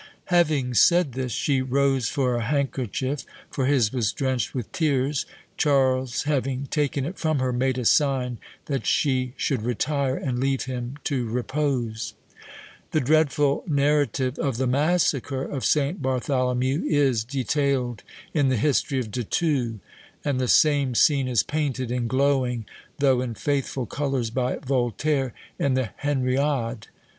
Having said this, she rose for a handkerchief, for his was drenched with tears: Charles having taken it from her, made a sign that she should retire and leave him to repose." The dreadful narrative of the massacre of St. Bartholomew is detailed in the history of De Thou; and the same scene is painted in glowing, though in faithful colours, by Voltaire in the Henriade.